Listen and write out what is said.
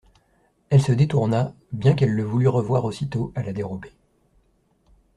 Elle se détourna, bien qu'elle le voulût revoir aussitôt, à la dérobée.